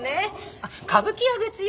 あっ歌舞伎は別よ。